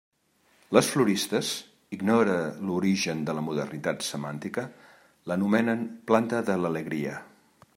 Les floristes —ignore l'origen de la modernitat semàntica— l'anomenen planta de l'alegria.